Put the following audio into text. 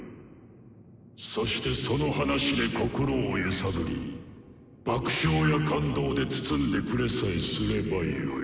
そしてその話で心を揺さぶり爆笑や感動で包んでくれさえすればよい。